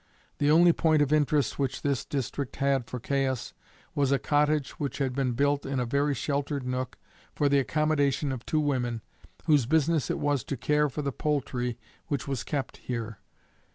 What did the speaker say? The only point of interest which this district had for Caius was a cottage which had been built in a very sheltered nook for the accommodation of two women, whose business it was to care for the poultry which was kept here.